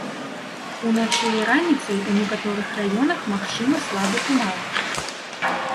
Уначы і раніцай у некаторых раёнах магчымы слабы туман.